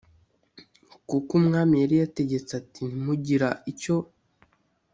kuko umwami yari yategetse ati ntimugira icyo